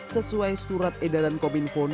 sesuai surat edatan kominfoni